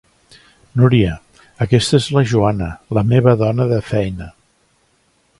Núria, aquesta és la Joana, la meva dona de feina.